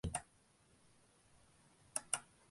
உமாருடைய நாடித்துடிப்பு அதிகமாகியது.